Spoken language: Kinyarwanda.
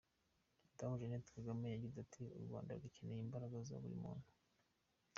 Madame Jeannette Kagame yagize ati : “U Rwanda rukeneye imbaraga za buri muntu.